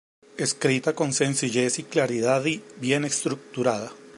Escrita con sencillez y claridad y bien estructurada.